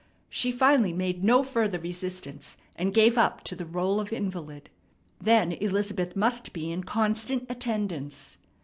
She finally made no further resistance, and gave up to the rôle of invalid. Then Elizabeth must be in constant attendance.